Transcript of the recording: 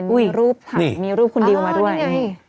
เห็นรูปภักดิ์มีรูปคุณดิวมาด้วยว่าไง